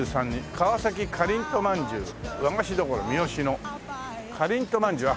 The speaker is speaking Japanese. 「川崎かりんとまんじゅう和菓子処みよしの」かりんとまんじゅう。